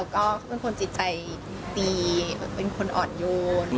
ก็เป็นคนจิตใจดีเป็นคนอ่อนโยน